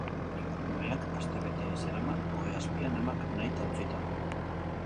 Umeak astebete zeraman ohe azpian amak nahita utzita.